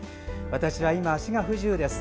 私は今、足が不自由です。